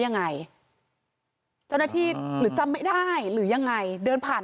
ยังไงเจ้าหน้าที่หรือจำไม่ได้หรือยังไงเดินผ่าน